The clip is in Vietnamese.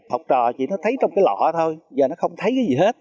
học trò chỉ nó thấy trong cái lọ thôi giờ nó không thấy cái gì hết